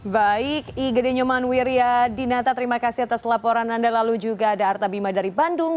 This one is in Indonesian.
baik igede nyoman wiryadinata terima kasih atas laporan anda lalu juga ada artabima dari bandung